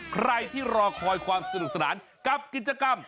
ใครที่รอคอยความสนุกสนานกับกิจกรรม